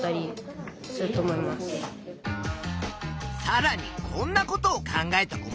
さらにこんなことを考えた子もいたぞ。